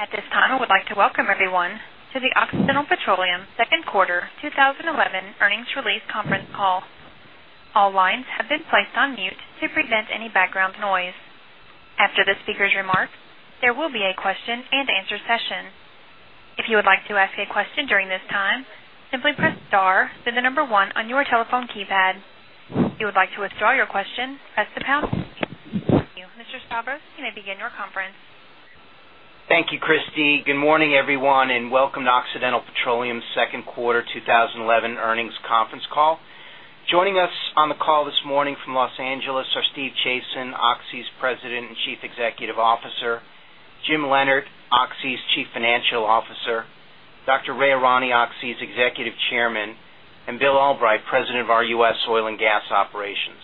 At this time, I would like to welcome everyone to the Occidental Petroleum Second Quarter 2011 Earnings Release Conference Call. All lines have been placed on mute to prevent any background noise. After the speaker's remarks, there will be a question and answer session. If you would like to ask a question during this time, simply press star followed by the number one on your telephone keypad. If you would like to withdraw your question, press the pound key. Thank you. Mr. Stavros, you may begin your conference. Thank you, Christy. Good morning, everyone, and welcome to Occidental Petroleum's Second Quarter 2011 Earnings Conference Call. Joining us on the call this morning from Los Angeles are Steve Chazen, Oxy's President and Chief Executive Officer, Jim Lienert, Oxy's Chief Financial Officer, Dr. Ray Irani, Oxy's Executive Chairman, and Bill Albrecht, President of U.S. Oil and Gas Operations.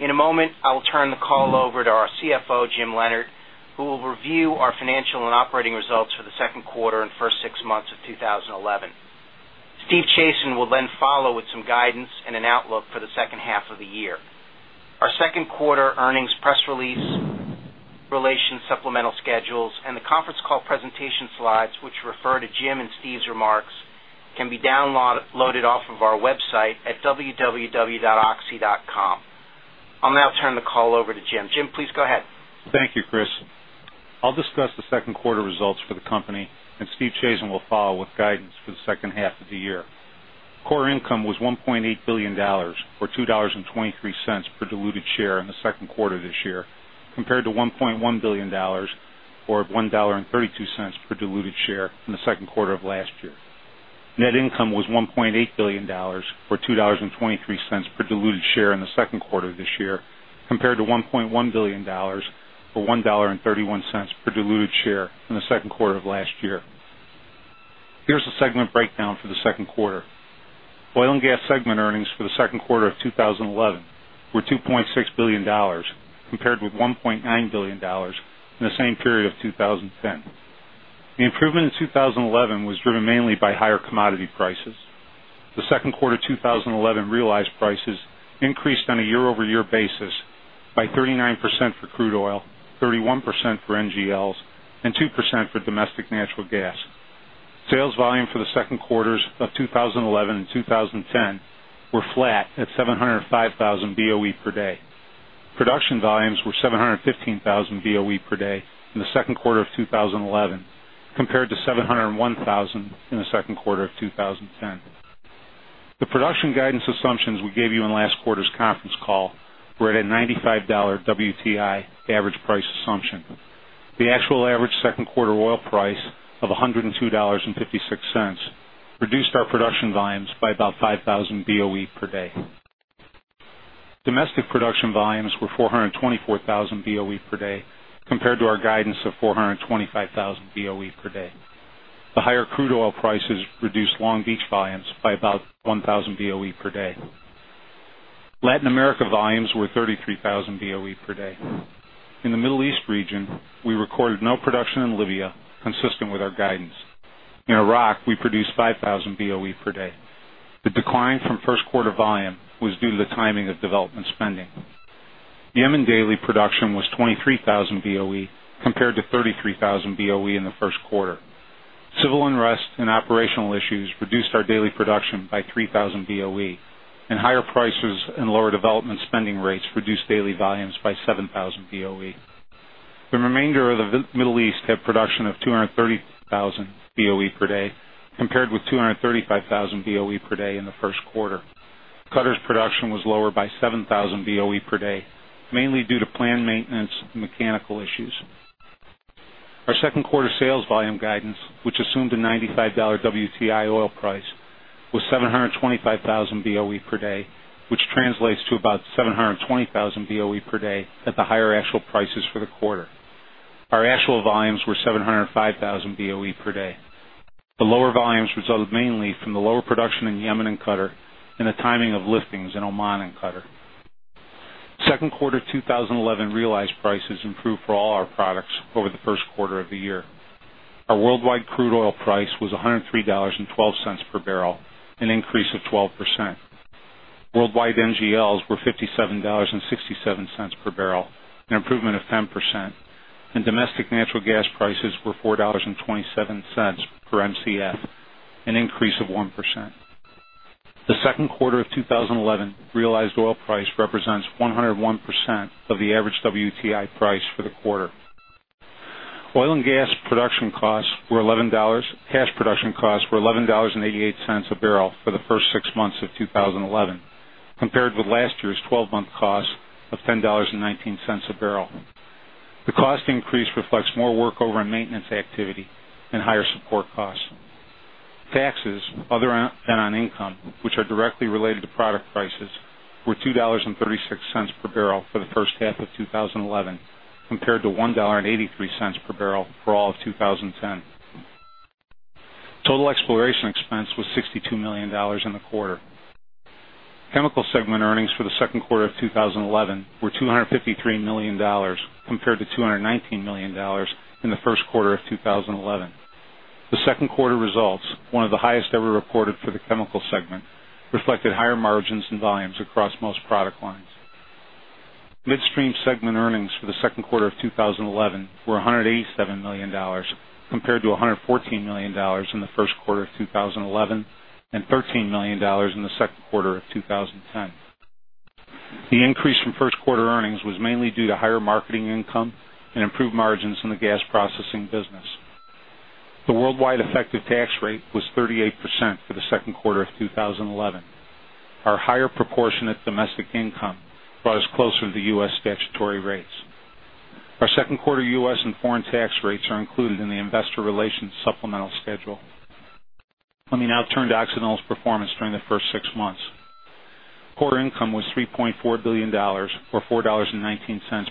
In a moment, I will turn the call over to our CFO, Jim Lienert, who will review our financial and operating results for the second quarter and first six months of 2011. Steve Chazen will then follow with some guidance and an outlook for the second half of the year. Our second quarter earnings press release, related supplemental schedules, and the conference call presentation slides, which refer to Jim and Steve's remarks, can be downloaded off of our website at www.oxy.com. I'll now turn the call over to Jim. Jim, please go ahead. Thank you, Chris. I'll discuss the second quarter results for the company, and Steve Chazen will follow with guidance for the second half of the year. Quarter income was $1.8 billion, or $2.23 per diluted share in the second quarter of this year, compared to $1.1 billion, or $1.32 per diluted share in the second quarter of last year. Net income was $1.8 billion, or $2.23 per diluted share in the second quarter of this year, compared to $1.1 billion, or $1.31 per diluted share in the second quarter of last year. Here's a segment breakdown for the second quarter. Oil and gas segment earnings for the second quarter of 2011 were $2.6 billion, compared with $1.9 billion in the same period of 2010. The improvement in 2011 was driven mainly by higher commodity prices. The second quarter 2011 realized prices increased on a year-over-year basis by 39% for crude oil, 31% for NGLs, and 2% for domestic natural gas. Sales volume for the second quarters of 2011 and 2010 were flat at 705,000 BOE per day. Production volumes were 715,000 BOE per day in the second quarter of 2011, compared to 701,000 in the second quarter of 2010. The production guidance assumptions we gave you in last quarter's conference call were at a $95 WTI average price assumption. The actual average second quarter oil price of $102.56 reduced our production volumes by about 5,000 BOE per day. Domestic production volumes were 424,000 BOE per day, compared to our guidance of 425,000 BOE per day. The higher crude oil prices reduced Long Beach volumes by about 1,000 BOE per day. Latin America volumes were 33,000 BOE per day. In the Middle East region, we recorded no production in Libya, consistent with our guidance. In Iraq, we produced 5,000 BOE per day. The decline from first quarter volume was due to the timing of development spending. Yemen daily production was 23,000 BOE, compared to 33,000 BOE in the first quarter. Civil unrest and operational issues reduced our daily production by 3,000 BOE, and higher prices and lower development spending rates reduced daily volumes by 7,000 BOE. The remainder of the Middle East had production of 230,000 BOE per day, compared with 235,000 BOE per day in the first quarter. Qatar's production was lower by 7,000 BOE per day, mainly due to planned maintenance and mechanical issues. Our second quarter sales volume guidance, which assumed a $95 WTI oil price, was 725,000 BOE per day, which translates to about 720,000 BOE per day at the higher actual prices for the quarter. Our actual volumes were 705,000 BOE per day. The lower volumes resulted mainly from the lower production in Yemen and Qatar and the timing of liftings in Oman and Qatar. Second quarter 2011 realized prices improved for all our products over the first quarter of the year. Our worldwide crude oil price was $103.12 per barrel, an increase of 12%. Worldwide NGLs were $57.67 per barrel, an improvement of 10%, and domestic natural gas prices were $4.27 per MCF, an increase of 1%. The second quarter of 2011 realized oil price represents 101% of the average WTI price for the quarter. Oil and gas production costs were $11.88 a barrel for the first six months of 2011, compared with last year's 12-month cost of $10.19 a barrel. The cost increase reflects more work over in maintenance activity and higher support costs. Taxes, other than on income, which are directly related to product prices, were $2.36 per barrel for the first half of 2011, compared to $1.83 per barrel for all of 2010. Total exploration expense was $62 million in the quarter. Chemical segment earnings for the second quarter of 2011 were $253 million, compared to $219 million in the first quarter of 2011. The second quarter results, one of the highest ever recorded for the chemical segment, reflected higher margins and volumes across most product lines. Midstream segment earnings for the second quarter of 2011 were $187 million, compared to $114 million in the first quarter of 2011 and $13 million in the second quarter of 2010. The increase from first quarter earnings was mainly due to higher marketing income and improved margins in the gas processing business. The worldwide effective tax rate was 38% for the second quarter of 2011. Our higher proportionate domestic income draws closer to the U.S. statutory rates. Our second quarter U.S. and foreign tax rates are included in the investor relations supplemental schedule. Let me now turn to Occidental's performance during the first six months. Quarter income was $3.4 billion, or $4.19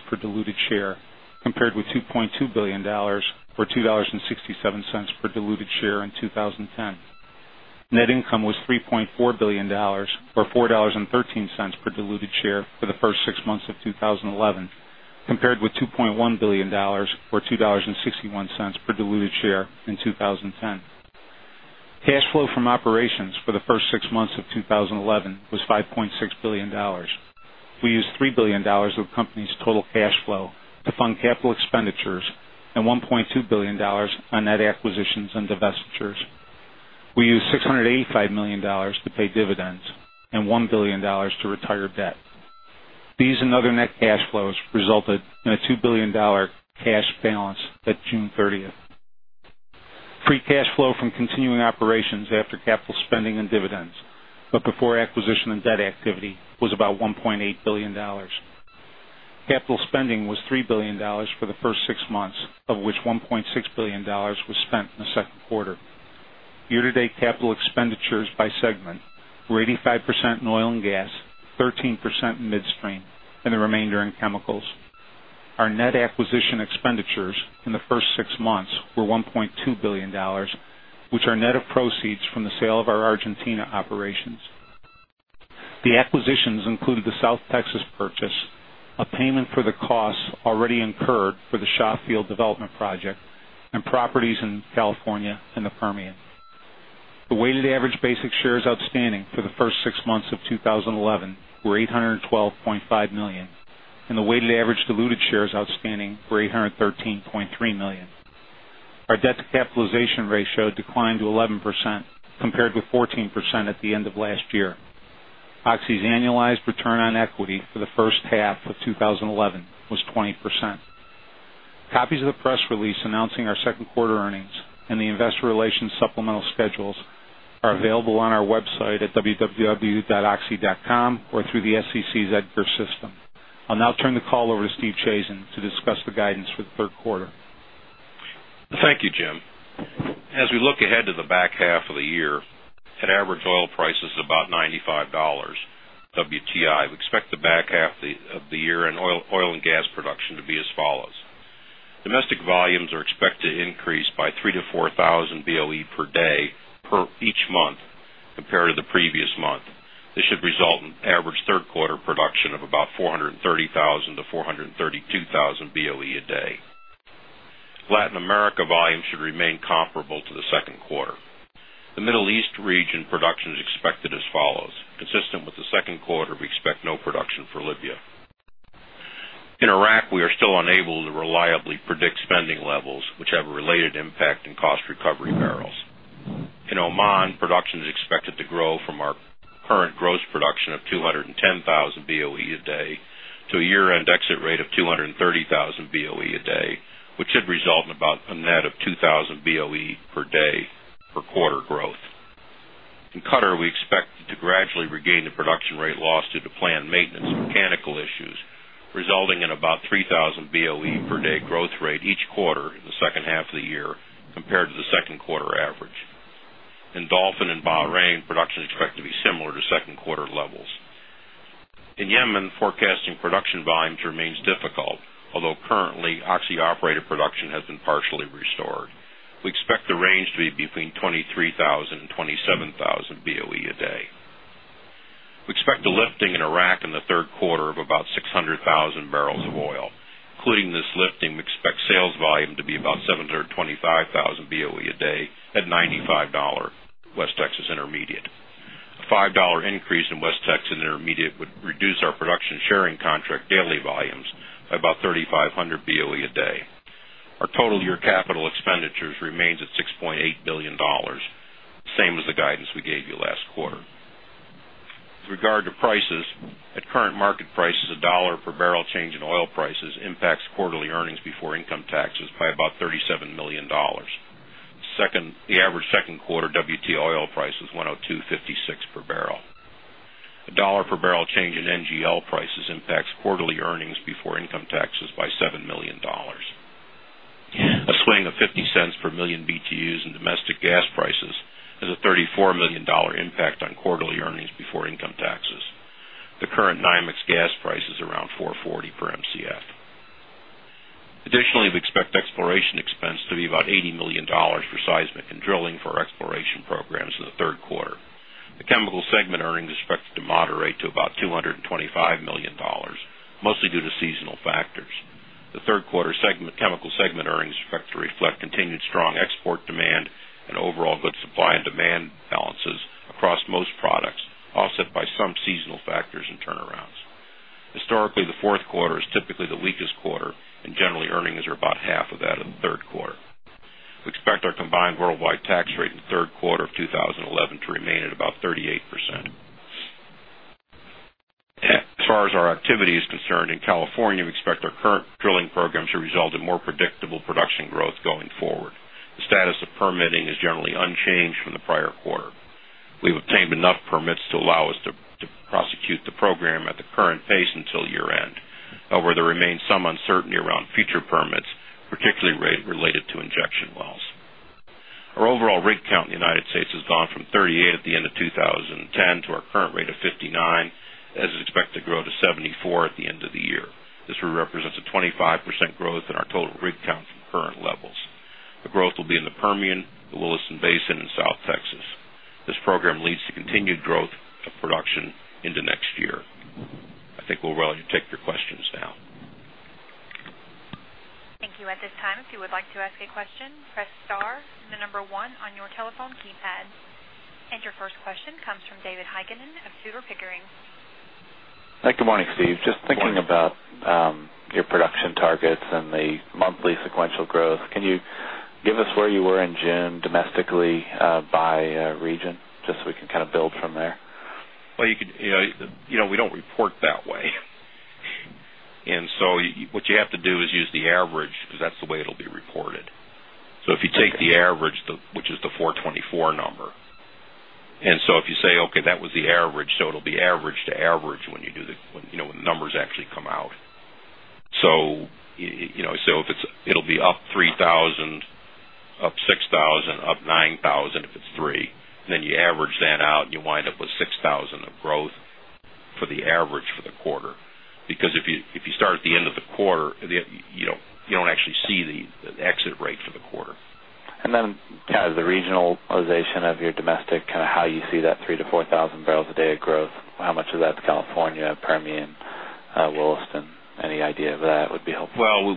per diluted share, compared with $2.2 billion, or $2.67 per diluted share in 2010. Net income was $3.4 billion, or $4.13 per diluted share for the first six months of 2011, compared with $2.1 billion, or $2.61 per diluted share in 2010. Cash flow from operations for the first six months of 2011 was $5.6 billion. We used $3 billion of the company's total cash flow to fund capital expenditures and $1.2 billion on net acquisitions and divestitures. We used $685 million to pay dividends and $1 billion to retire debt. These and other net cash flows resulted in a $2 billion cash balance at June 30. Free cash flow from continuing operations after capital spending and dividends, but before acquisition and debt activity, was about $1.8 billion. Capital spending was $3 billion for the first six months, of which $1.6 billion was spent in the second quarter. Year-to-date capital expenditures by segment were 85% in oil and gas, 13% in midstream, and the remainder in chemicals. Our net acquisition expenditures in the first six months were $1.2 billion, which are net of proceeds from the sale of our Argentina operations. The acquisitions included the South Texas purchase, a payment for the costs already incurred for the Shah Field development project, and properties in California and the Permian. The weighted average basic shares outstanding for the first six months of 2011 were $812.5 million, and the weighted average diluted shares outstanding were $813.3 million. Our debt-to-capitalization ratio declined to 11%, compared with 14% at the end of last year. Oxy's annualized return on equity for the first half of 2011 was 20%. Copies of the press release announcing our second quarter earnings and the investor relations supplemental schedules are available on our website at www.oxy.com or through the SEC's Edgar system. I'll now turn the call over to Steve Chazen to discuss the guidance for the third quarter. Thank you, Jim. As we look ahead to the back half of the year, at average oil prices about $95 WTI, we expect the back half of the year in oil and gas production to be as follows. Domestic volumes are expected to increase by 3,000-4,000 BOE per day each month compared to the previous month. This should result in average third quarter production of about 430,000-432,000 BOE a day. Latin America volumes should remain comparable to the second quarter. The Middle East region production is expected as follows. Consistent with the second quarter, we expect no production for Libya. In Iraq, we are still unable to reliably predict spending levels, which have a related impact in cost recovery barrels. In Oman, production is expected to grow from our current gross production of 210,000 BOE a day to a year-end exit rate of 230,000 BOE a day, which should result in about a net of 2,000 BOE per day per quarter growth. In Qatar, we expect to gradually regain the production rate lost due to planned maintenance and mechanical issues, resulting in about 3,000 BOE per day growth rate each quarter in the second half of the year compared to the second quarter average. In Dhafn and Bahrain, production is expected to be similar to second quarter levels. In Yemen, forecasting production volumes remains difficult, although currently Oxy operated production has been partially restored. We expect the range to be between 23,000 and 27,000 BOE a day. We expect a lifting in Iraq in the third quarter of about 600,000 bbl of oil. Including this lifting, we expect sales volume to be about 725,000 BOE a day at $95 West Texas Intermediate. A $5 increase in West Texas Intermediate would reduce our production sharing contract daily volumes by about 3,500 BOE a day. Our total year capital expenditures remain at $6.8 billion, same as the guidance we gave you last quarter. With regard to prices, at current market prices, a dollar per barrel change in oil prices impacts quarterly earnings before income taxes by about $37 million. The average second quarter WTI oil price is $102.56 per barrel. A dollar per barrel change in NGL prices impacts quarterly earnings before income taxes by $7 million. A swing of $0.50 per million BTUs in domestic gas prices has a $34 million impact on quarterly earnings before income taxes. The current Nymex gas price is around $4.40 per MCF. Additionally, we expect exploration expense to be about $80 million for seismic and drilling for our exploration programs in the third quarter. The chemical segment earnings expect to moderate to about $225 million, mostly due to seasonal factors. The third quarter chemical segment earnings expect to reflect continued strong export demand and overall good supply and demand balances across most products, offset by some seasonal factors and turnarounds. Historically, the fourth quarter is typically the weakest quarter, and generally, earnings are about half of that in the third quarter. We expect our combined worldwide tax rate in the third quarter of 2011 to remain at about 38%. As far as our activity is concerned, in California, we expect our current drilling programs to result in more predictable production growth going forward. The status of permitting is generally unchanged from the prior quarter. We've obtained enough permits to allow us to prosecute the program at the current pace until year-end. However, there remains some uncertainty around future permits, particularly related to injection wells. Our overall rig count in the United States has gone from 38 at the end of 2010 to our current rate of 59, as it is expected to grow to 74 at the end of the year. This represents a 25% growth in our total rig count from current levels. The growth will be in the Permian, the Williston Basin, and South Texas. This program leads to continued growth of production into next year. I think we'll allow you to take your questions now. Thank you. At this time, if you would like to ask a question, press star and the number one on your telephone keypad. Your first question comes from David Heikkinen of Tudor, Pickering. Thank you. Good morning, Steve. Just thinking about your production targets and the monthly sequential growth, can you give us where you were in June domestically, by region, just so we can kind of build from there? You know, we don't report that way. What you have to do is use the average, because that's the way it'll be reported. If you take the average, which is the 424 number, and say, "Okay, that was the average," it'll be average to average when the numbers actually come out. If it'll be up 3,000, up 6,000, up 9,000 if it's 3, and then you average that out and you wind up with 6,000 of growth for the average for the quarter. If you start at the end of the quarter, you don't actually see the exit rate for the quarter. As the regionalization of your domestic, kind of how you see that 3,000-4,000 barrels a day of growth, how much of that's California, Permian, Williston, any idea of that would be helpful?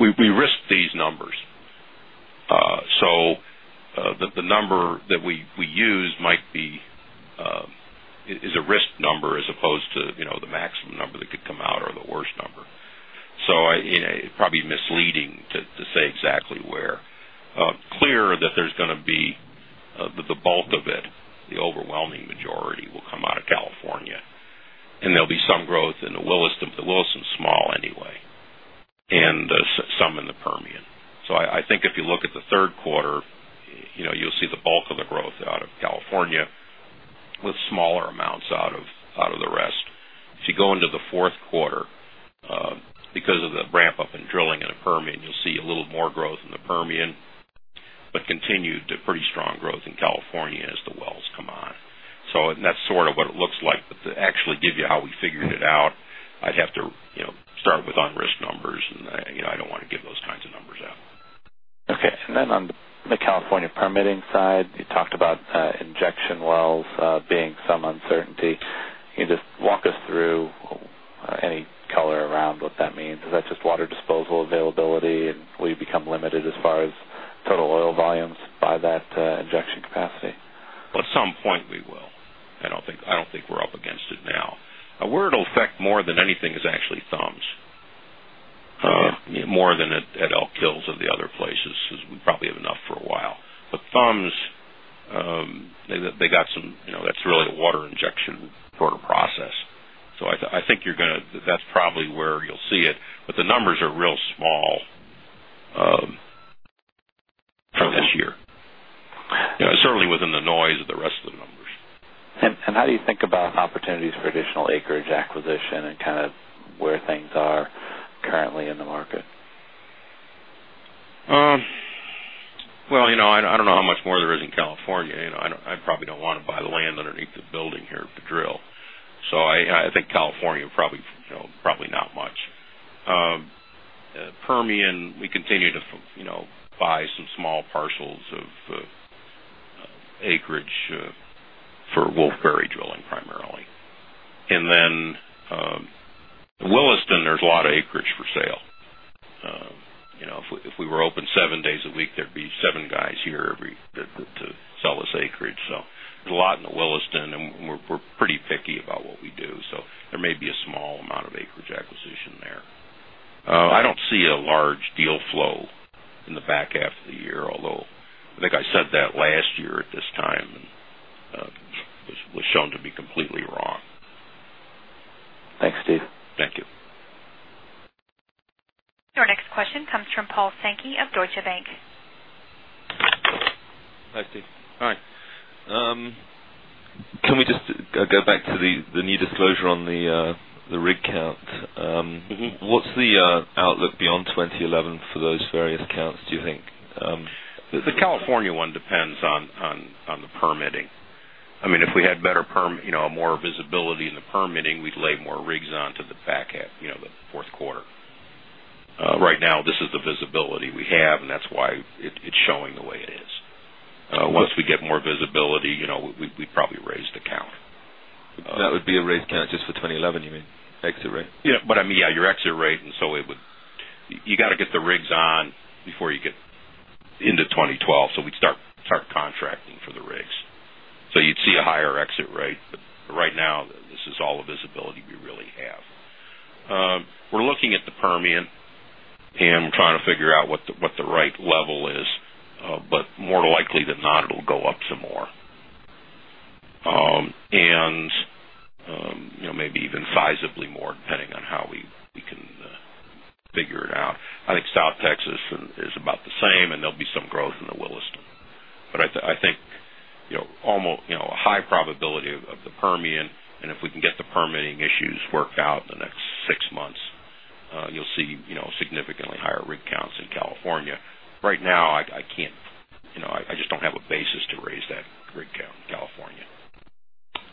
We risk these numbers. The number that we use might be a risk number as opposed to, you know, the maximum number that could come out or the worst number. It's probably misleading to say exactly where. Clear that there's going to be the bulk of it, the overwhelming majority will come out of California. There'll be some growth in the Williston, but the Williston's small anyway, and some in the Permian. I think if you look at the third quarter, you'll see the bulk of the growth out of California with smaller amounts out of the rest. If you go into the fourth quarter, because of the ramp-up in drilling in the Permian, you'll see a little more growth in the Permian, but continued pretty strong growth in California as the wells come on. That's sort of what it looks like. To actually give you how we figured it out, I'd have to, you know, start with unrisked numbers, and you know, I don't want to give those kinds of numbers out. Okay. On the California permitting side, you talked about injection wells being some uncertainty. Can you just walk us through any color around what that means? Is that just water disposal availability, and will you become limited as far as total oil volumes by that injection capacity? At some point, we will. I don't think we're up against it now. Where it'll affect more than anything is actually Thums, more than at Elk Hills or the other places, because we probably have enough for a while. Thums, they got some, you know, that's really a water injection sort of process. I think you're going to, that's probably where you'll see it. The numbers are real small for this year, certainly within the noise of the rest of the numbers. How do you think about opportunities for additional acreage acquisition and where things are currently in the market? I don't know how much more there is in California. I probably don't want to buy the land underneath the building here to drill. I think California probably, probably not much. In the Permian, we continue to buy some small parcels of acreage for Wolfberry drilling primarily. In Williston, there's a lot of acreage for sale. If we were open seven days a week, there'd be seven guys here every day to sell us acreage. There's a lot in the Williston, and we're pretty picky about what we do. There may be a small amount of acreage acquisition there. I don't see a large deal flow in the back half of the year, although I think I said that last year at this time and was shown to be completely wrong. Thanks, Steve. Thank you. Our next question comes from Paul Sankey of Deutsche Bank. Hi, Steve. Hi. Can we just go back to the new disclosure on the rig count? What's the outlook beyond 2011 for those various counts, do you think? The California one depends on the permitting. If we had better, you know, more visibility in the permitting, we'd lay more rigs on to the back half, the fourth quarter. Right now, this is the visibility we have, and that's why it's showing the way it is. Once we get more visibility, we'd probably raise the count. That would be a raised count just for 2011, you mean? Exit rate? Yeah. I mean, yeah, your exit rate, and it would, you got to get the rigs on before you get into 2012. We'd start contracting for the rigs, so you'd see a higher exit rate. Right now, this is all the visibility we really have. We're looking at the Permian, and we're trying to figure out what the right level is. More likely than not, it'll go up some more, and maybe even sizably more, depending on how we can figure it out. I think South Texas is about the same, and there'll be some growth in the Williston. I think, almost, a high probability of the Permian, and if we can get the permitting issues worked out in the next six months, you'll see significantly higher rig counts in California. Right now, I can't, I just don't have a basis to raise that rig count in California.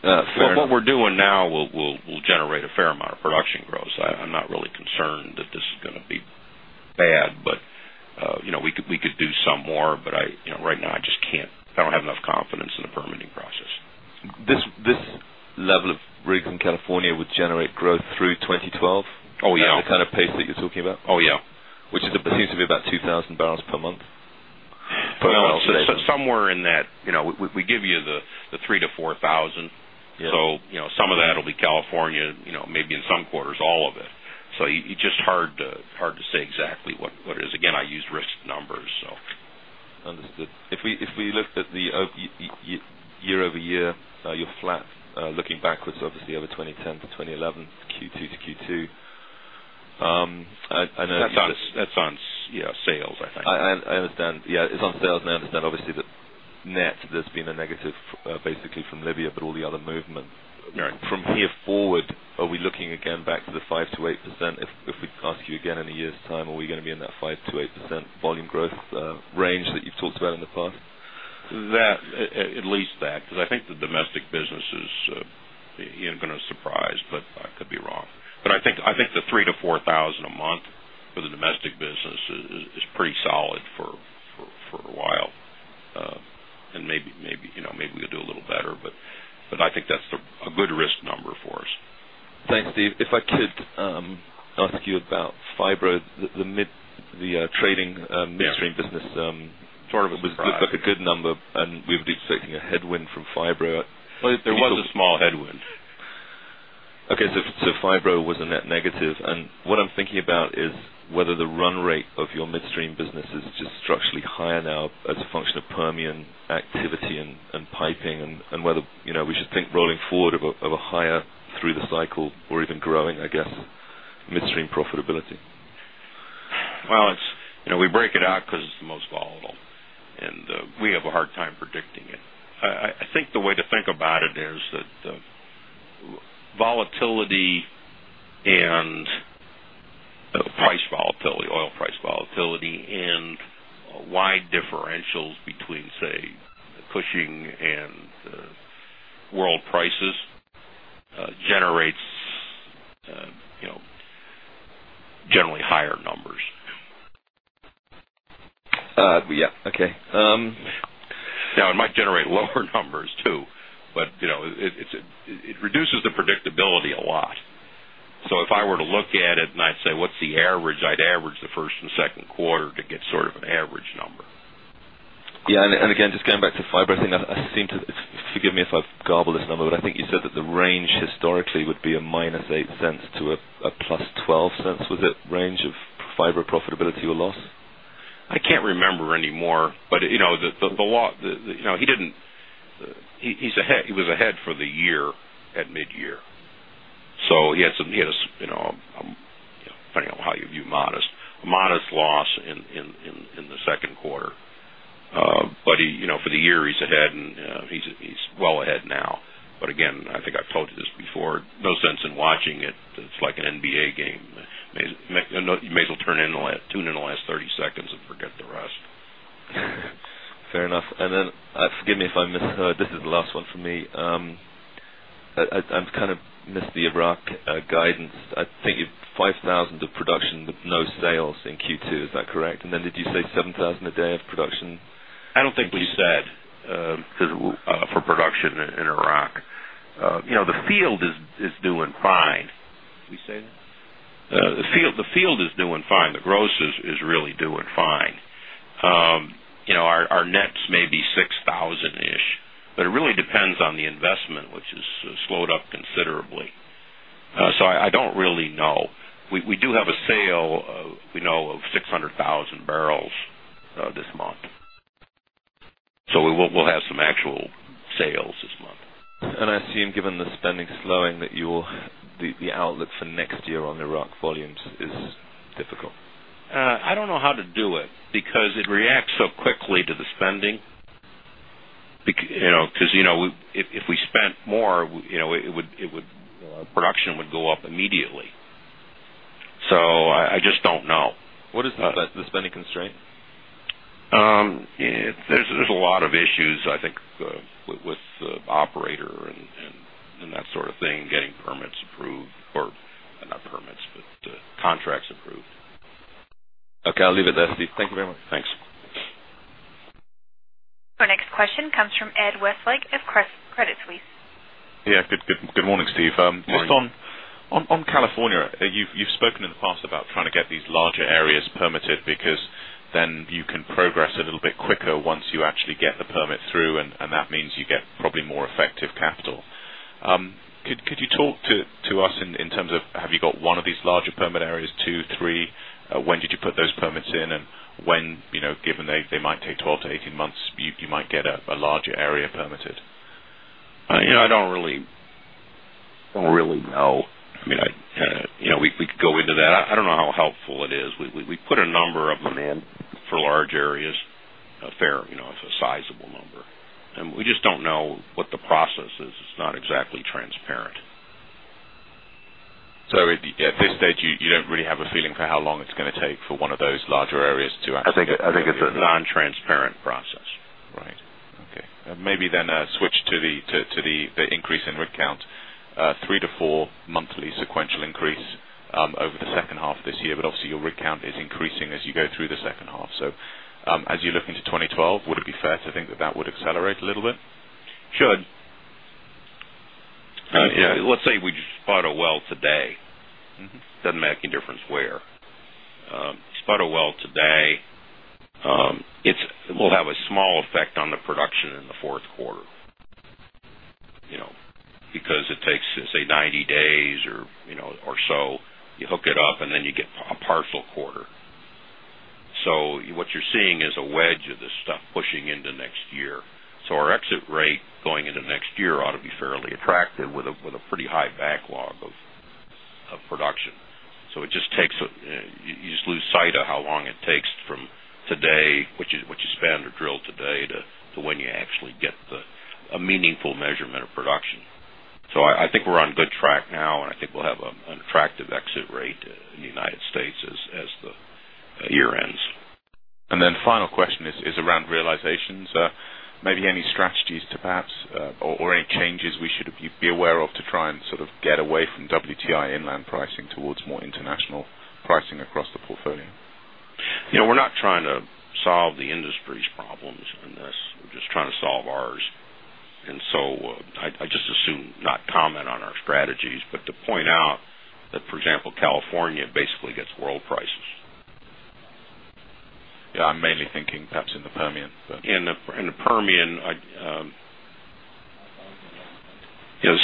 Fair enough. What we're doing now will generate a fair amount of production growth. I'm not really concerned that this is going to be bad, but we could do some more. Right now, I just can't, I don't have enough confidence in the permitting process. This level of rigs in California would generate growth through 2012? Oh, yeah. At the kind of pace that you're talking about? Oh, yeah. Which seems to be about 2,000 bbl per month? Somewhere in that, you know, we give you the 3,000 bbl-4,000 bbl. Yeah, you know, some of that will be California, maybe in some quarters, all of it. It's just hard to say exactly what it is. Again, I use risk numbers. Understood. If we looked at the year-over-year, you're flat. Looking backwards, obviously, over 2010-2011, Q2 to Q2. I know. That's on sales, I think. I understand. Yeah, it's on sales, and I understand, obviously, that net there's been a negative, basically, from Libya, but all the other movement. From here forward, are we looking again back to the 5%-8%? If we ask you again in a year's time, are we going to be in that 5%-8% volume growth range that you've talked about in the past? At least that, because I think the domestic businesses, you know, it's been a surprise. I could be wrong. I think the $3,000-$4,000 a month for the domestic business is pretty solid for a while. Maybe we'll do a little better, but I think that's a good risk number for us. Thanks, Steve. If I could ask you about Phibro, the midstream segment business, it was a good number, and we were expecting a headwind from Phibro. There was a small headwind. Okay. Phibro was a net negative. What I'm thinking about is whether the run rate of your midstream business is just structurally higher now as a function of Permian activity and piping, and whether we should think rolling forward of a higher through the cycle or even growing, I guess, midstream profitability. You know, we break it out because it's the most volatile, and we have a hard time predicting it. I think the way to think about it is that volatility and price volatility, oil price volatility, and wide differentials between, say, the Cushing and the world prices generates generally higher numbers. Yeah. Okay. Now, it might generate lower numbers too, but you know, it reduces the predictability a lot. If I were to look at it and I'd say, "What's the average?" I'd average the first and second quarter to get sort of an average number. Yeah. Just going back to Phibro, I think I seem to, forgive me if I've garbled this number, but I think you said that the range historically would be a -$0.08 to +$0.12. Was it a range of Phibro profitability or loss? I can't remember anymore, but he was ahead for the year at mid-year. He had some, you know, I'm finding out how you view a modest loss in the second quarter. For the year, he's ahead, and he's well ahead now. I think I've told you this before, no sense in watching it. It's like an NBA game. You may as well tune in the last 30 seconds and forget the rest. Fair enough. Forgive me if I missed this, this is the last one for me. I've kind of missed the Iraq guidance. I think you have 5,000 of production with no sales in Q2. Is that correct? Did you say 7,000 a day of production? I don't think we said for production in Iraq. The field is doing fine. Did we say that? The field is doing fine. The gross is really doing fine. Our nets may be 6,000-ish, but it really depends on the investment, which has slowed up considerably. I don't really know. We do have a sale, we know, of 600,000 bbl this month. We'll have some actual sales this month. I assume, given the spending slowing, that you will, the outlook for next year on Iraq volumes is difficult. I don't know how to do it because it reacts so quickly to the spending. You know, if we spent more, production would go up immediately. I just don't know. What is the spending constraint? are a lot of issues, I think, with the operator and that sort of thing, getting permits approved, or not permits, but contracts approved. Okay, I'll leave it there, Steve. Thank you very much. Thanks. Our next question comes from Ed Westlake of Credit Suisse. Yeah, good morning, Steve. Morning. Just on California, you've spoken in the past about trying to get these larger areas permitted because then you can progress a little bit quicker once you actually get the permit through, and that means you get probably more effective capital. Could you talk to us in terms of, have you got one of these larger permit areas, two, three? When did you put those permits in? When, you know, given they might take 12-18 months, you might get a larger area permitted? You know. I don't really know. We could go into that. I don't know how helpful it is. We put a number of them in for large areas, a fair, a sizable number. We just don't know what the process is. It's not exactly transparent. At this stage, you don't really have a feeling for how long it's going to take for one of those larger areas to actually get it? I think it's a non-transparent process. Right. Okay. Maybe then switch to the increase in rig count. Three to four monthly sequential increase over the second half of this year, but obviously, your rig count is increasing as you go through the second half. As you look into 2012, would it be fair to think that that would accelerate a little bit? Yeah. Let's say we spot a well today. It doesn't make any difference where. Spot a well today, it will have a small effect on the production in the fourth quarter, because it takes, say, 90 days or so, you hook it up, and then you get a partial quarter. What you're seeing is a wedge of this stuff pushing into next year. Our exit rate going into next year ought to be fairly attractive with a pretty high backlog of production. It just takes a, you just lose sight of how long it takes from today, what you spend to drill today to when you actually get a meaningful measurement of production. I think we're on good track now, and I think we'll have an attractive exit rate in the United States as the year ends. The final question is around realizations. Maybe any strategies to perhaps, or any changes we should be aware of to try and sort of get away from WTI inland pricing towards more international pricing across the portfolio? We're not trying to solve the industry's problems in this. We're just trying to solve ours. I just assume not comment on our strategies, but to point out that, for example, California basically gets world prices. I'm mainly thinking perhaps in the Permian. In the Permian,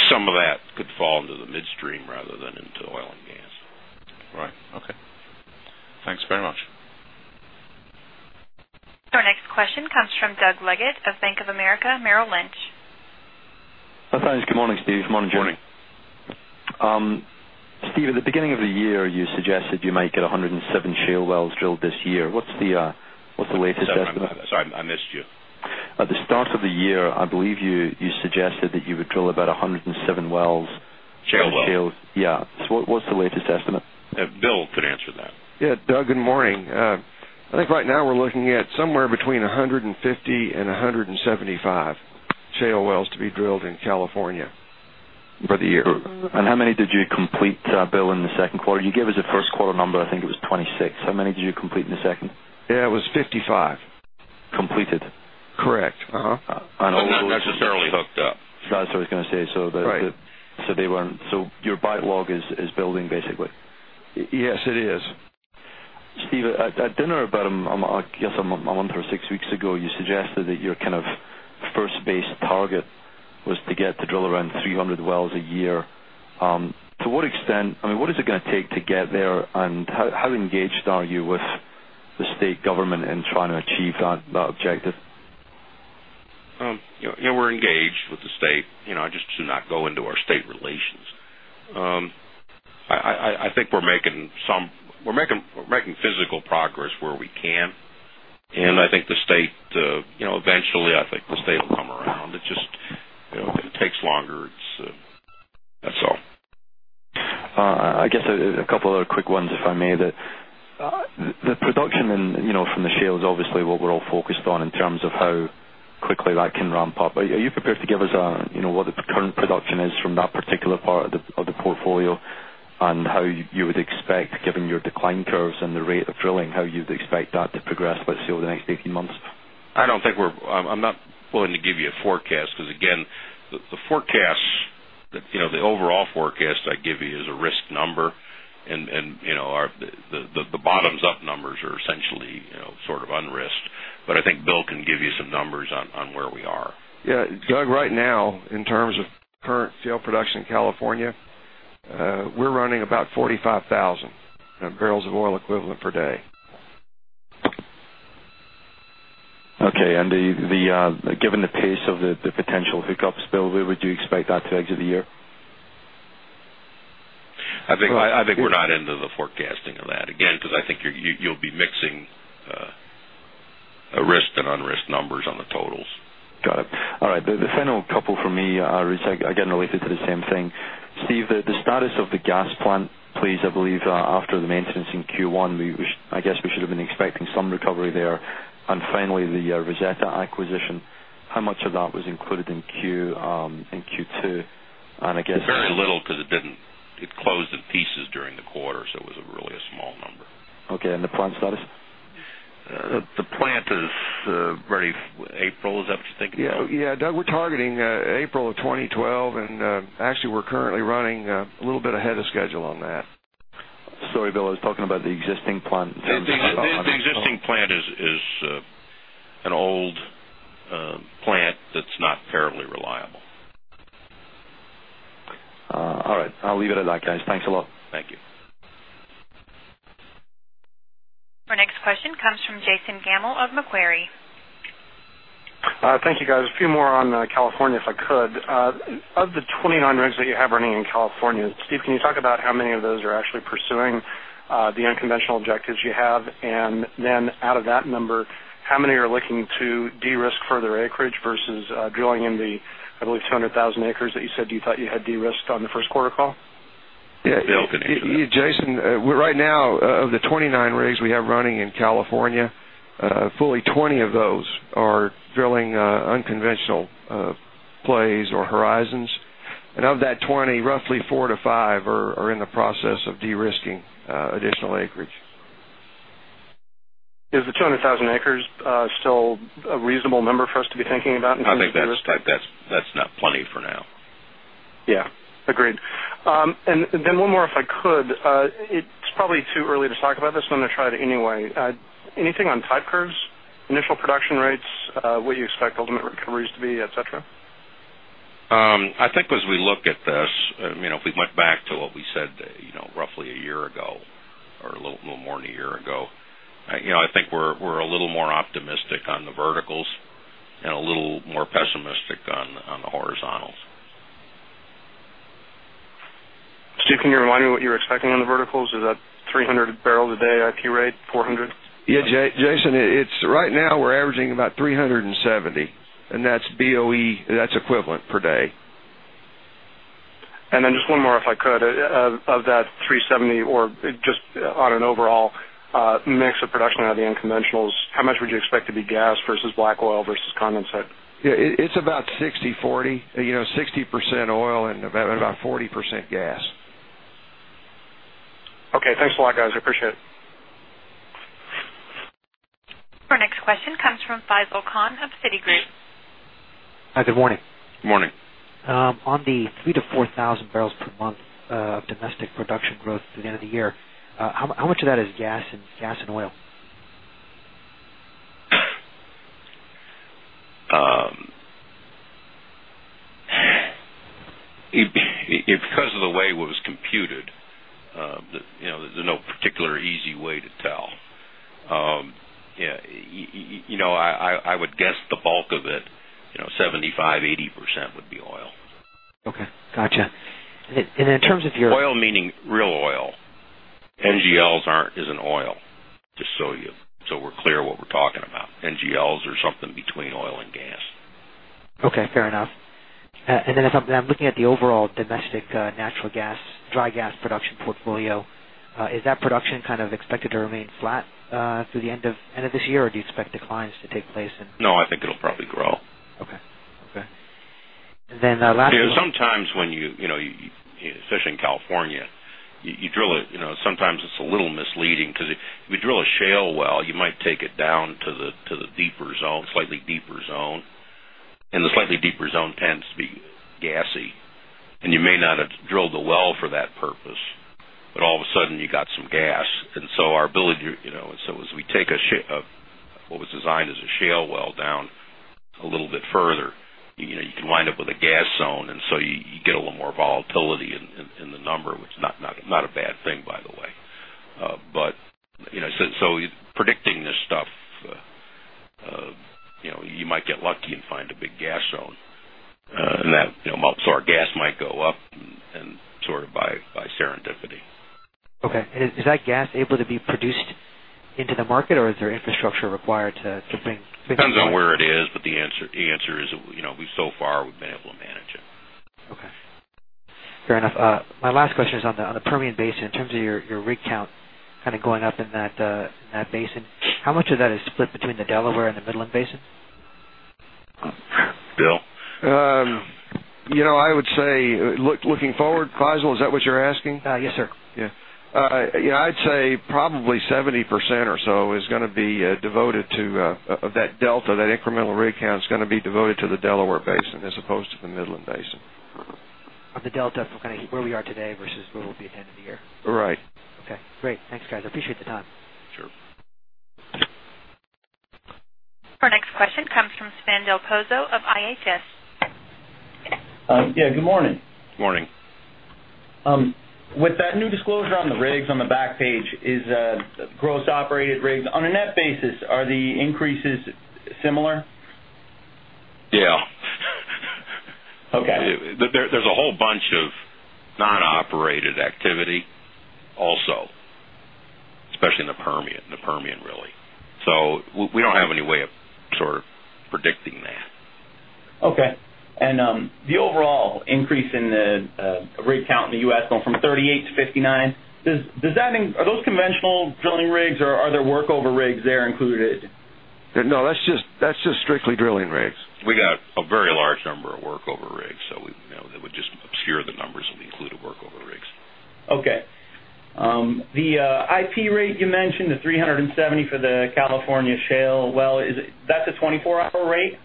some of that could fall into the midstream rather than into the oil and gas. Right. Okay, thanks very much. Our next question comes from Doug Leggate of Bank of America Merrill Lynch. Oh, thanks. Good morning, Steve. Morning, Jeremy. Steve, at the beginning of the year, you suggested you make it 107 shale wells drilled this year. What's the latest estimate? Sorry, I missed you. At the start of the year, I believe you suggested that you would drill about 107 wells. Shale wells. What's the latest estimate? Bill can answer that. Yeah. Doug, good morning. I think right now we're looking at somewhere between 150 and 175 shale wells to be drilled in California for the year. How many did you complete, Bill, in the second quarter? You gave us a first quarter number. I think it was 26. How many did you complete in the second? Yeah, it was 55. Completed? Correct. It wasn't necessarily hooked up. That's what I was going to say. They weren't, so your bite log is building, basically. Yes, it is. Steve, at dinner about, I guess six weeks ago, you suggested that your kind of first base target was to get to drill around 300 wells a year. To what extent, I mean, what is it going to take to get there, and how engaged are you with the state government in trying to achieve that objective? Yeah, we're engaged with the state. I just do not go into our state relations. I think we're making some physical progress where we can. I think the state, eventually, I think the state will come around. It just takes longer. I guess a couple of other quick ones, if I may. The production from the shale is obviously what we're all focused on in terms of how quickly that can ramp up. Are you prepared to give us what the current production is from that particular part of the portfolio and how you would expect, given your decline curves and the rate of drilling, how you would expect that to progress, let's say, over the next 18 months? I don't think we're, I'm not going to give you a forecast because, again, the forecast that, you know, the overall forecast I'd give you is a risk number. The bottoms-up numbers are essentially, you know, sort of unrisked but I think Bill can give you some numbers on where we are. Yeah, Doug, right now, in terms of current shale production in California, we're running about 45,000 barrels of oil equivalent per day. Given the pace of the potential hiccups, Bill, where would you expect that to exit the year? I think we're not into the forecasting of that. Again, because I think you'll be mixing risk and unrisked numbers on the totals. Got it. All right. The final couple for me are again related to the same thing. Steve, the status of the gas plant, please. I believe after the maintenance in Q1, I guess we should have been expecting some recovery there. Finally, the Rosetta acquisition, how much of that was included in Q2? I guess. Very little because it didn't, it closed in pieces during the quarter, so it was really a small number. Okay, the plant status? The plant is ready. April, is that the date? Yeah, Doug, we're targeting April 2012, and actually, we're currently running a little bit ahead of schedule on that. Sorry, Bill, I was talking about the existing plant. The existing plant is an old plant that's not terribly reliable. All right. I'll leave it at that, guys. Thanks a lot. Thank you. Our next question comes from Jason Gammel of Macquarie. Thank you, guys. A few more on California, if I could. Of the 29 rigs that you have running in California, Steve, can you talk about how many of those are actually pursuing the unconventional objectives you have? Out of that number, how many are looking to de-risk further acreage versus drilling in the, I believe, 200,000 acres that you said you thought you had de-risked on the first quarter call? Yeah, Bill can answer. Jason, right now, of the 29 rigs we have running in California, fully 20 of those are drilling unconventional plays or horizons. Of that 20, roughly four to five are in the process of de-risking additional acreage. Is the 200,000 acres still a reasonable number for us to be thinking about in terms of de-risk? I think that's plenty for now. Agreed. One more, if I could, it's probably too early to talk about this, but I'm going to try it anyway. Anything on type curves, initial production rates, where you expect ultimate recoveries to be, etc.? I think as we look at this, if we went back to what we said roughly a year ago or a little more than a year ago, I think we're a little more optimistic on the verticals and a little more pessimistic on the horizontals. Steve, can you remind me what you were expecting on the verticals? Is that 300 bbl a day IP rate, 400? Yeah, Jason, right now we're averaging about 370, and that's BOE, that's equivalent per day. Of that 370 or just on an overall mix of production out of the unconventionals, how much would you expect to be gas versus black oil versus condensate? Yeah, it's about 60/40, you know, 60% oil and about 40% gas. Okay, thanks a lot, guys. I appreciate it. Our next question comes from Faisel Khan of Citigroup. Hi, good morning. Morning. On the 3,000-4,000 barrels per month of domestic production growth through the end of the year, how much of that is gas and gas and oil? Because of the way it was computed, there's no particular easy way to tell. I would guess the bulk of it, 75%, 80% would be oil. Okay. Gotcha. In terms of your. Oil meaning real oil. NGLs aren't oil, just so we're clear what we're talking about. NGLs are something between oil and gas. Fair enough. If I'm looking at the overall domestic natural gas, dry gas production portfolio, is that production kind of expected to remain flat through the end of this year, or do you expect declines to take place? No, I think it'll probably grow. Okay. Okay. The last. Sometimes, especially in California, you drill it, and sometimes it's a little misleading because if you drill a shale well, you might take it down to the deeper zone, slightly deeper zone. The slightly deeper zone tends to be gassy, and you may not have drilled a well for that purpose, but all of a sudden, you got some gas. Our ability to, as we take what was designed as a shale well down a little bit further, you can wind up with a gas zone. You get a little more volatility in the number, which is not a bad thing, by the way. Predicting this stuff, you might get lucky and find a big gas zone, and our gas might go up and sort of by serendipity. Okay. Is that gas able to be produced into the market, or is there infrastructure required to? Depends on where it is, but the answer is, you know, so far we've been able to manage it. Okay. Fair enough. My last question is on the Permian Basin. In terms of your rig count going up in that basin, how much of that is split between the Delaware and the Midland Basin? Bill you know. I would say, looking forward, Faisel, is that what you're asking? Yes, sir. Yeah, I'd say probably 70% or so is going to be devoted to that delta, that incremental rig count is going to be devoted to the Delaware Basin as opposed to the Midland Basin. Of the delta from kind of where we are today versus what will be at the end of the year? Right. Okay. Great. Thanks, guys. I appreciate the time. Sure. Our next question comes from Sven Del Pozzo of IHS. Good morning. Morning. With that new disclosure on the rigs, on the back page, is gross operated rigs, on a net basis, are the increases similar? Yeah. Okay. There's a whole bunch of non-operated activity also, especially in the Permian, really. We don't have any way of sort of predicting that. Okay. The overall increase in the rig count in the U.S. going from 38 to 59, does that, are those conventional drilling rigs, or are there workover rigs included? No, that's just strictly drilling rigs. We got. A very large number of workover rigs. That would just obscure the numbers and include workover rigs. Okay. The IP rate you mentioned, the 370 for the California shale well, is that a 24-hour rate?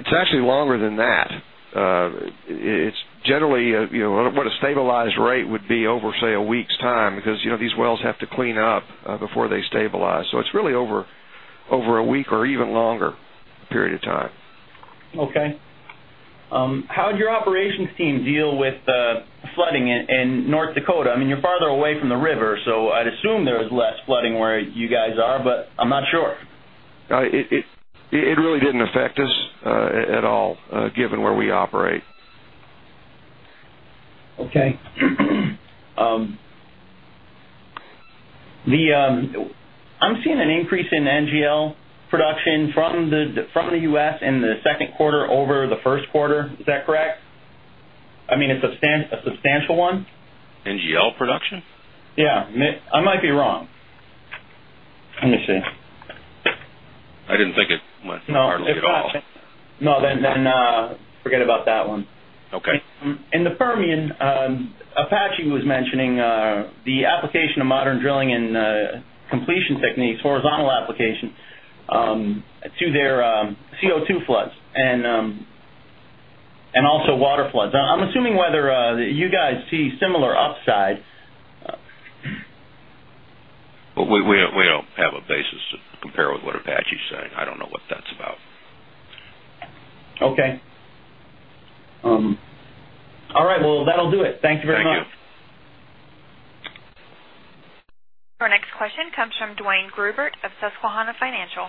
It's actually longer than that. It's generally, you know, what a stabilized rate would be over, say, a week's time because, you know, these wells have to clean up before they stabilize. It's really over a week or even longer period of time. Okay. How did your operations team deal with the flooding in North Dakota? I mean, you're farther away from the river, so I'd assume there was less flooding where you guys are, but I'm not sure. It really didn't affect us at all, given where we operate. Okay, I'm seeing an increase in NGL production from the U.S. in the second quarter over the first quarter. Is that correct? I mean, it's a substantial one. NGL production? Yeah, I might be wrong. I didn't think it went too far to get off. No, forget about that one. Okay. In the Permian, Apache was mentioning the application of modern drilling and completion techniques, horizontal application to their CO2 floods and also water floods. I'm assuming whether you guys see similar upside. We don't have a basis to compare with what Apache's saying. I don't know what that's about. Okay. All right. That'll do it. Thank you very much. Thank you. Our next question comes from Duane Grubert of Susquehanna Financial.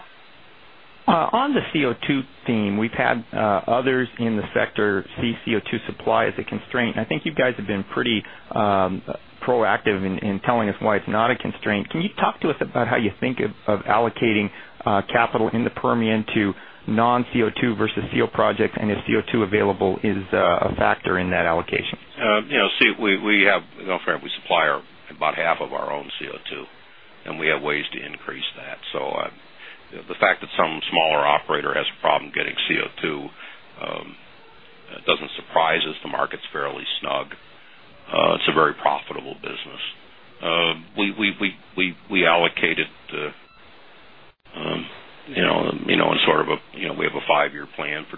On the CO2 theme, we've had others in the sector see CO2 supply as a constraint. I think you guys have been pretty proactive in telling us why it's not a constraint. Can you talk to us about how you think of allocating capital in the Permian to non-CO2 versus CO2 projects, and if CO2 available is a factor in that allocation? We supply about half of our own CO2, and we have ways to increase that. The fact that some smaller operator has a problem getting CO2 doesn't surprise us. The market's fairly snug. It's a very profitable business. We allocate it in sort of a, we have a five-year plan for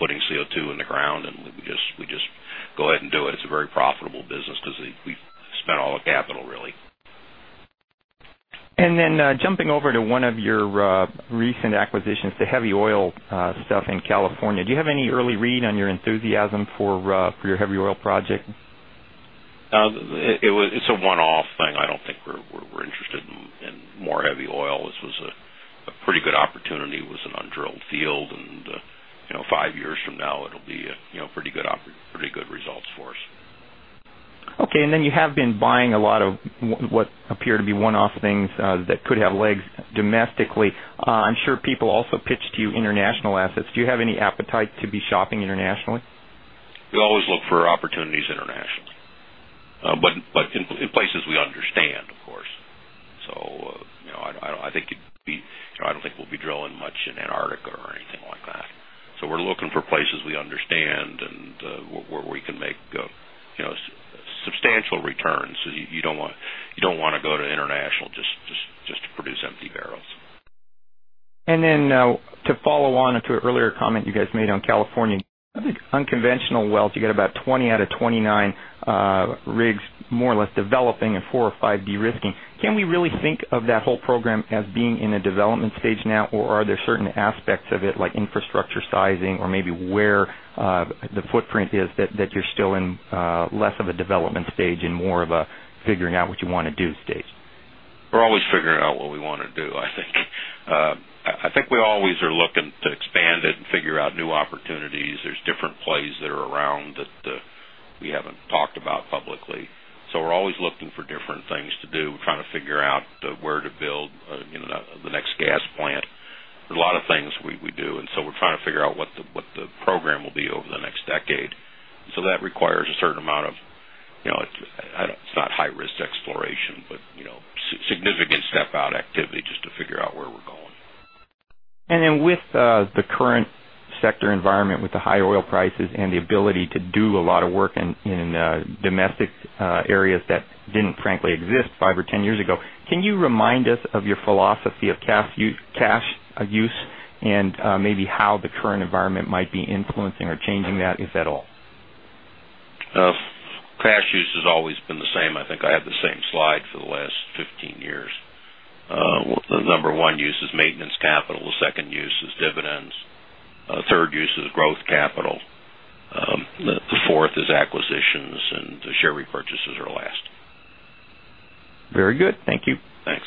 putting CO2 in the ground, and we just go ahead and do it. It's a very profitable business because we've spent all the capital, really. Jumping over to one of your recent acquisitions, the heavy oil stuff in California, do you have any early read on your enthusiasm for your heavy oil project? It's a one-off thing. I don't think we're interested in more heavy oil. This was a pretty good opportunity. It was an undrilled field. You know, five years from now, it'll be pretty good, pretty good results for us. Okay. You have been buying a lot of what appear to be one-off things that could have legs domestically. I'm sure people also pitch to you international assets. Do you have any appetite to be shopping internationally? We always look for opportunities internationally, but in places we understand, of course. I think it'd be, I don't think we'll be drilling much in Antarctica or anything like that. We're looking for places we understand and where we can make substantial returns. You don't want to go to international just to produce empty barrels. To follow on to an earlier comment you guys made on California, the unconventional wells, you got about 20 out of 29 rigs more or less developing and four or five de-risking. Can we really think of that whole program as being in a development stage now, or are there certain aspects of it, like infrastructure sizing or maybe where the footprint is, that you're still in less of a development stage and more of a figuring out what you want to do stage? We're always figuring out what we want to do. I think we always are looking to expand it and figure out new opportunities. There are different plays that are around that we haven't talked about publicly. We're always looking for different things to do. We're trying to figure out where to build, you know, the next gas plant. There are a lot of things we do, and we're trying to figure out what the program will be over the next decade. That requires a certain amount of, you know, it's not high-risk exploration, but significant step-out activity just to figure out where we're going. With the current sector environment, with the high oil prices and the ability to do a lot of work in domestic areas that didn't frankly exist 5 or 10 years ago, can you remind us of your philosophy of cash use and maybe how the current environment might be influencing or changing that, if at all? Cash use has always been the same. I think I have the same slide for the last 15 years. Number one use is maintenance capital. The second use is dividends. The third use is growth capital. The fourth is acquisitions, and the share repurchases are last. Very good. Thank you. Thanks.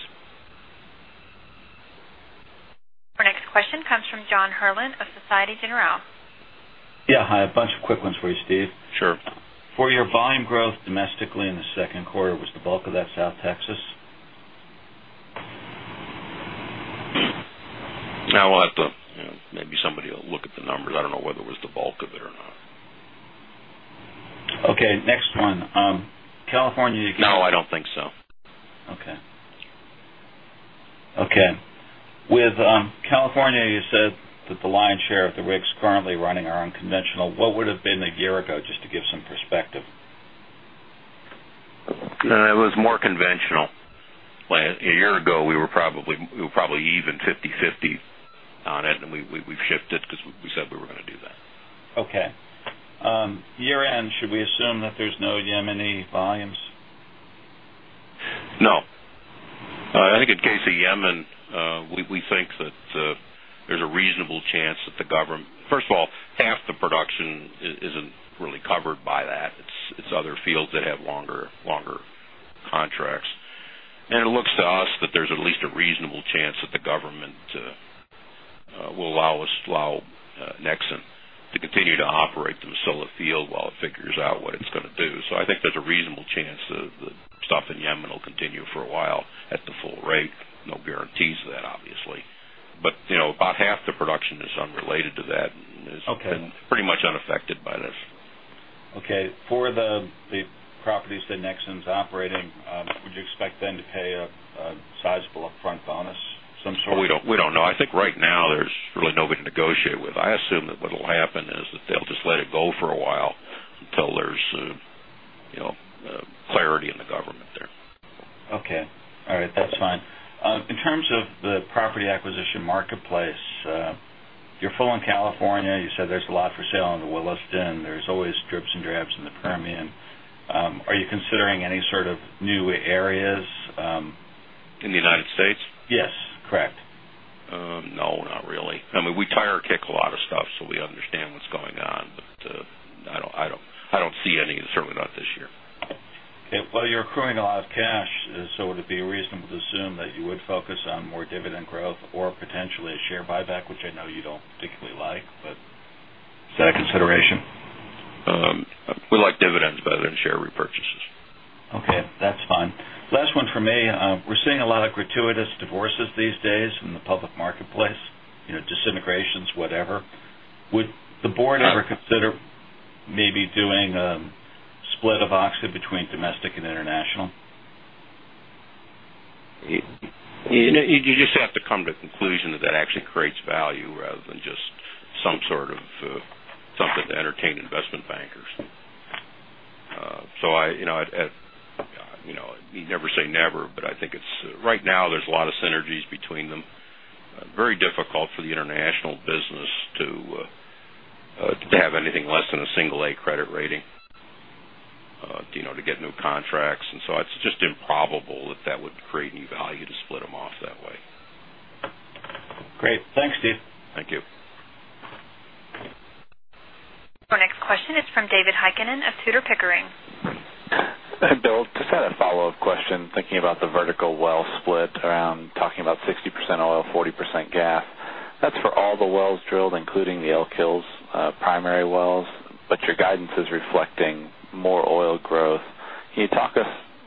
Our next question comes from John Herrlin of Société Générale. Yeah. Hi, a bunch of quick ones for you, Steve. Sure. For your volume growth domestically in the second quarter, was the bulk of that South Texas? I'll have to, maybe somebody will look at the numbers. I don't know whether it was the bulk of it or not. Okay. Next one, California. No, I don't think so. Okay. With California, you said that the lion's share of the rigs currently running are unconventional. What would it have been a year ago, just to give some perspective? It was more conventional. A year ago, we were probably even 50/50 on it, and we've shifted because we said we were going to do that. Okay. Year-end, should we assume that there's no Yemeni volumes? No. I think in the case of Yemen, we think that there's a reasonable chance that the government, first of all, half the production isn't really covered by that. It's other fields that have longer contracts. It looks to us that there's at least a reasonable chance that the government will allow us, allow Nexen to continue to operate the Masila field while it figures out what it's going to do. I think there's a reasonable chance that the stuff in Yemen will continue for a while at the full rate. No guarantees of that, obviously. You know, about half the production is unrelated to that and is pretty much unaffected by this. Okay. For the properties that Nexen's operating, would you expect them to pay a sizable upfront bonus, some sort? We don't know. I think right now there's really nobody to negotiate with. I assume that what will happen is that they'll just let it go for a while until there's clarity in the government there. Okay. All right. That's fine. In terms of the property acquisition marketplace, you're full in California. You said there's a lot for sale in the Williston. There's always drips and drabs in the Permian. Are you considering any sort of new areas? In the United States? Yes. Correct. No, not really. I mean, we tire kick a lot of stuff, so we understand what's going on. I don't see any, and certainly not this year. Okay. You're accruing a lot of cash. Would it be reasonable to assume that you would focus on more dividend growth or potentially a share buyback, which I know you don't particularly like, but is that a consideration? We like dividends better than share repurchases. Okay. That's fine. Last one for me. We're seeing a lot of gratuitous divorces these days in the public marketplace, you know, disintegrations, whatever. Would the board ever consider maybe doing a split of Oxy between domestic and international? You just have to come to the conclusion that that actually creates value rather than just some sort of something to entertain investment bankers. You never say never, but I think right now there's a lot of synergies between them. It is very difficult for the international business to have anything less than a single A credit rating to get new contracts, and it's just improbable that that would create new value to split them off that way. Great. Thanks, Steve. Thank you. Our next question is from David Heikkinen of Tudor Pickering. Bill, just had a follow-up question thinking about the vertical well split around talking about 60% oil, 40% gas. That's for all the wells drilled, including the Elk Hills primary wells, but your guidance is reflecting more oil growth. Can you talk us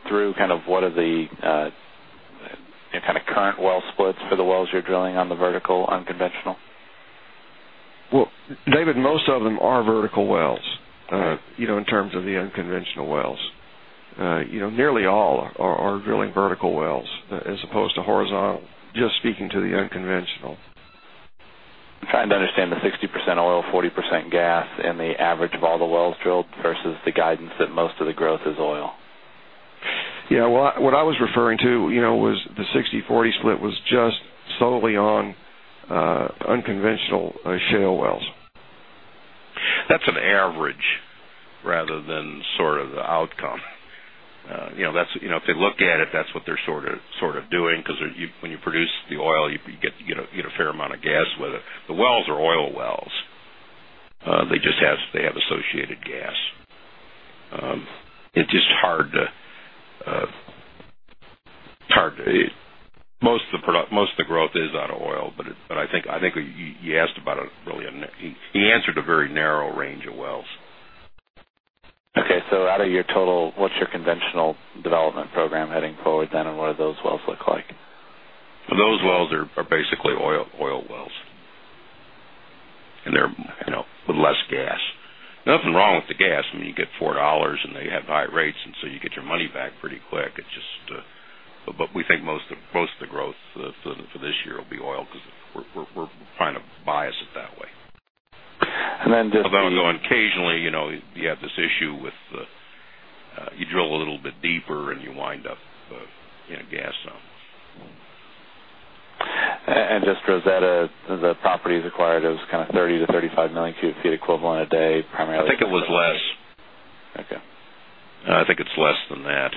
through kind of what are the kind of current well splits for the wells you're drilling on the vertical unconventional? Most of them are vertical wells, you know, in terms of the unconventional wells. Nearly all are drilling vertical wells as opposed to horizontal, just speaking to the unconventional. I'm trying to understand the 60% oil, 40% gas, and the average of all the wells drilled versus the guidance that most of the growth is oil. What I was referring to, you know, was the 60/40 split was just solely on unconventional shale wells. That's an average rather than the outcome. If they look at it, that's what they're doing because when you produce the oil, you get a fair amount of gas with it. The wells are oil wells. They just have associated gas. It's just hard to, most of the growth is out of oil, but I think you asked about a really, he answered a very narrow range of wells. Out of your total, what's your conventional development program heading forward, and what do those wells look like? Those wells are basically oil wells, and they're with less gas. Nothing wrong with the gas. I mean, you get $4 and they have high rates, so you get your money back pretty quick. We think most of the growth for this year will be oil because we're kind of biased it that way. Just. Although, occasionally, you have this issue with the, you drill a little bit deeper and you wind up in a gas zone. For the properties required, it was kind of 30 million cu ft-35 million cu ft equivalent a day, primarily. I think it was less. Okay. I think it's less than that.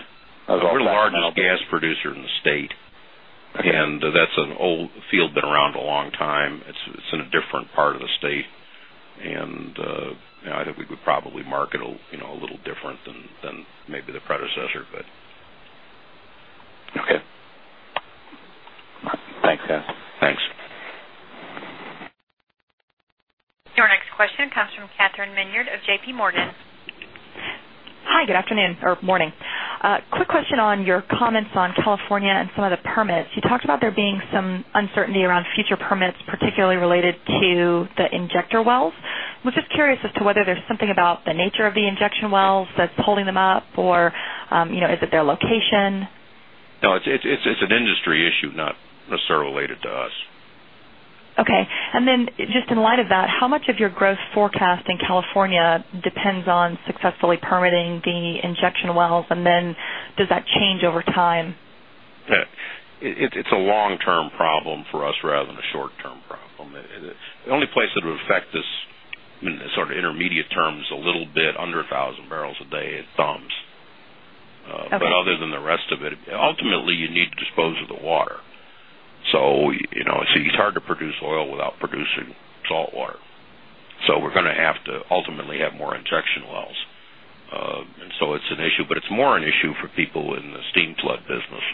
We're the largest gas producer in the state. That's an old field, been around a long time. It's in a different part of the state. I think we probably market a little different than maybe the predecessor. Okay, thanks, guys. Thanks. Our next question comes from Katherine Minyard of JPMorgan. Hi. Good afternoon, or morning. Quick question on your comments on California and some of the permits. You talked about there being some uncertainty around future permits, particularly related to the injection wells. I was just curious as to whether there's something about the nature of the injection wells that's holding them up, or is it their location? No, it's an industry issue, not necessarily related to us. Okay. In light of that, how much of your growth forecast in California depends on successfully permitting the injection wells, and does that change over time? It's a long-term problem for us rather than a short-term problem. The only place that would affect us, I mean, in sort of intermediate terms, a little bit under 1,000 bbl a day, it's thumbs. Other than the rest of it, ultimately, you need to dispose of the water. It's hard to produce oil without producing saltwater. We're going to have to ultimately have more injection wells. It's an issue, but it's more an issue for people in the steam flood business,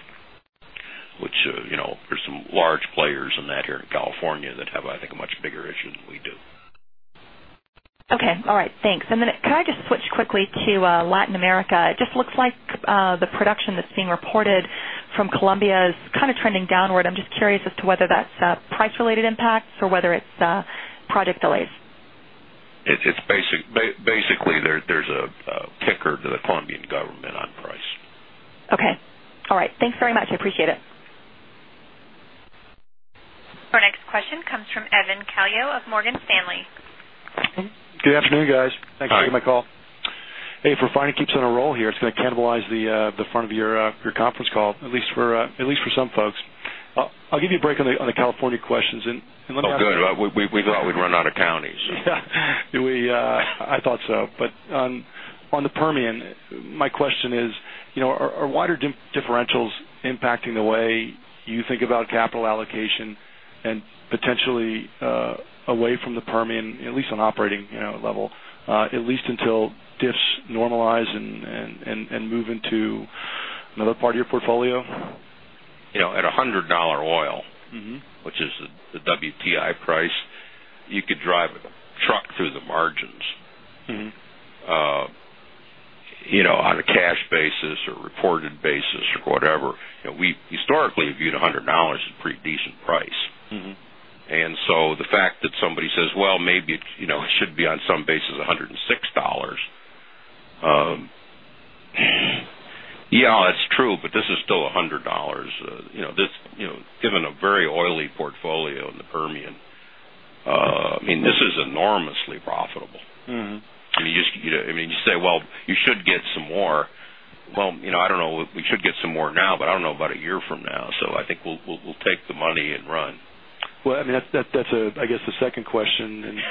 which, you know, there's some large players in that here in California that have, I think, a much bigger issue than we do. Okay. All right. Thanks. Can I just switch quickly to Latin America? It just looks like the production that's being reported from Colombia is kind of trending downward. I'm just curious as to whether that's a price-related impact or whether it's project delays. It's basically, there's a kicker to the Colombian government on price. Okay. All right. Thanks very much. I appreciate it. Our next question comes from Evan Calio of Morgan Stanley. Good afternoon, guys. Thanks for taking my call. If refining keeps on a roll here, it's going to cannibalize the front of your conference call, at least for some folks. I'll give you a break on the California questions, and let me know. Oh, good. We thought we'd run out of counties. I thought so. On the Permian, my question is, are wider differentials impacting the way you think about capital allocation and potentially away from the Permian, at least on operating level, at least until dips normalize and move into another part of your portfolio? At $100 oil, which is the WTI price, you could drive a truck through the margins, you know, on a cash basis or reported basis or whatever. We historically viewed $100 as a pretty decent price. The fact that somebody says, "Maybe it should be on some basis $106," yeah, that's true, but this is still $100. Given a very oily portfolio in the Permian, I mean, this is enormously profitable. You say, "You should get some more." I don't know. We should get some more now, but I don't know about a year from now. I think we'll take the money and run. I mean, that's, I guess, the second question.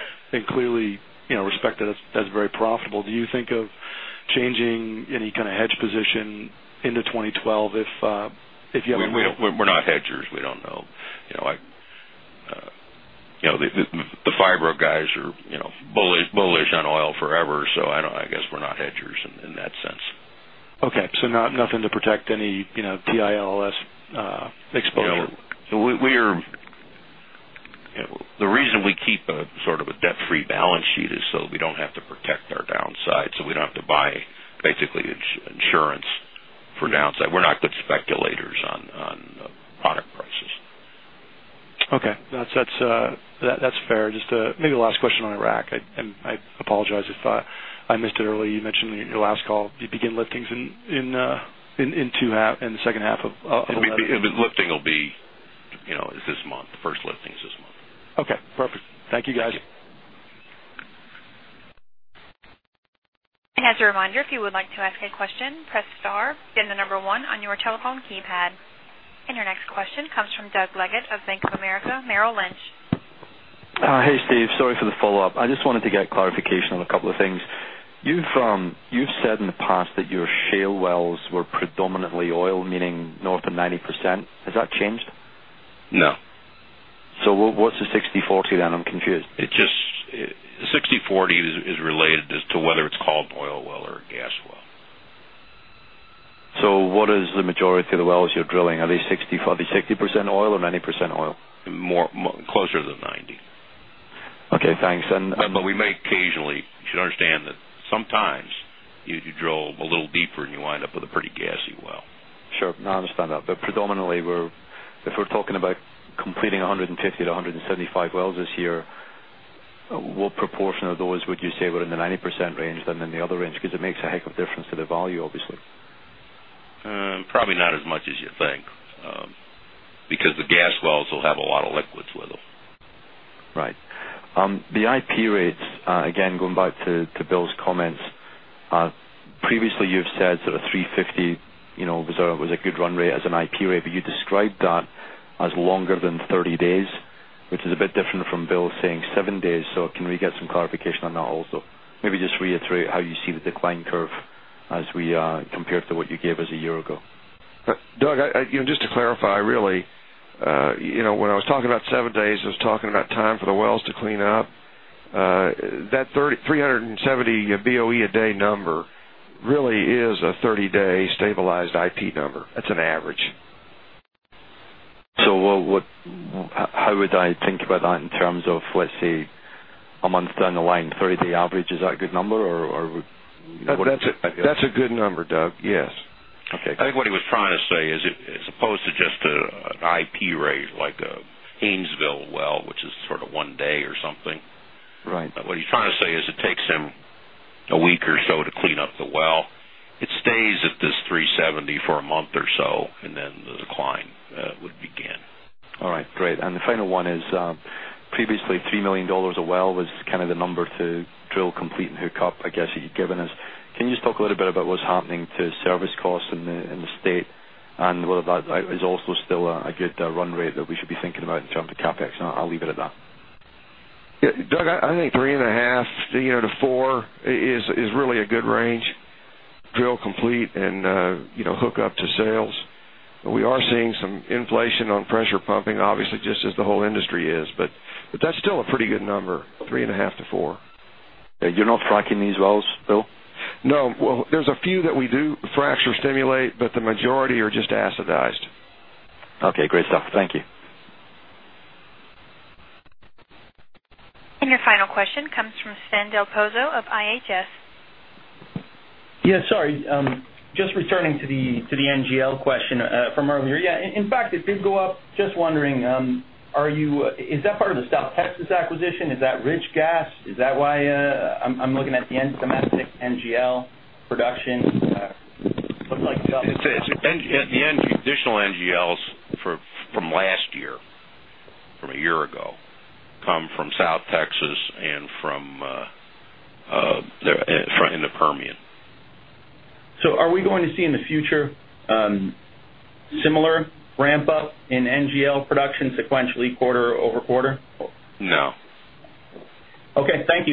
Clearly, you know, respect to that's very profitable. Do you think of changing any kind of hedge position into 2012 if you have? We're not hedgers. We don't know. The FIBRA guys are bullish on oil forever. I guess we're not hedgers in that sense. Okay. Nothing to protect any, you know, TILLS fixed book? The reason we keep a sort of debt-free balance sheet is so we don't have to protect our downside. We don't have to buy basically insurance for downside. We're not good speculators on product prices. Okay. That's fair. Maybe the last question on Iraq. I apologize if I missed it earlier. You mentioned in your last call, you begin liftings in the second half of. If it's lifting, it'll be this month. The first lifting is this month. Okay, perfect. Thank you, guys. As a reminder, if you would like to ask a question, press star and the number one on your telephone keypad. Your next question comes from Doug Leggate of Bank of America Merrill Lynch. Hey, Steve. Sorry for the follow-up. I just wanted to get clarification on a couple of things. You've said in the past that your shale wells were predominantly oil, meaning north of 90%. Has that changed? No. What's the 60/40 then? I'm confused. The 60/40 is related to whether it's called an oil well or a gas well. What is the majority of the wells you're drilling? Are they 60% oil or 90% oil? More. Closer to 90%. Okay. Thanks. We may occasionally, you should understand that sometimes you drill a little deeper and you wind up with a pretty gassy well. Sure. No, I understand that. Predominantly, if we're talking about completing 150-175 wells this year, what proportion of those would you say were in the 90% range than in the other range? It makes a heck of a difference to the volume, obviously. Probably not as much as you'd think, because the gas wells will have a lot of liquids with them. Right. The IP rates, again, going back to Bill's comments, previously, you've said sort of 350, you know, was a good run rate as an IP rate, but you described that as longer than 30 days, which is a bit different from Bill saying seven days. Can we get some clarification on that also? Maybe just reiterate how you see the decline curve as we compare it to what you gave us a year ago. Doug, just to clarify, when I was talking about seven days, I was talking about time for the wells to clean up. That 370 BOE a day number really is a 30-day stabilized IP number. That's an average. How would I think about that in terms of, let's say, a month down the line? Three-day average, is that a good number, or? That's a good number, Doug. Yes. Okay. I think what he was trying to say is, as opposed to just an IP rate like a Hainesville well, which is sort of one day or something. Right. What he's trying to say is it takes him a week or so to clean up the well. It stays at this 370 for a month or so, and then the decline would begin. All right. Great. The final one is, previously, $3 million a well was kind of the number to drill, complete, and hook up, I guess, that you've given us. Can you just talk a little bit about what's happening to service costs in the state? Whether that is also still a good run rate that we should be thinking about in terms of CapEx, I'll leave it at that. Yeah. Doug, I think $3.5 million-$4 million is really a good range. Drill, complete, and hook up to sales. We are seeing some inflation on pressure pumping, obviously, just as the whole industry is, but that's still a pretty good number, $3.5 million-$4 million. You're not fracking these wells, Bill? No, there's a few that we do fracture stimulate, but the majority are just acidized. Okay. Great stuff. Thank you. Your final question comes from Sven Del Pozzo of IHS. Yeah. Sorry. Just returning to the NGL question from earlier. Yeah, it did go up. Just wondering, is that part of the South Texas acquisition? Is that rich gas? Is that why I'm looking at the domestic NGL production? The additional NGLs from last year, from a year ago, come from South Texas and from the Permian. Are we going to see in the future similar ramp-up in NGL production sequentially quarter-over-quarter? No. Okay, thank you.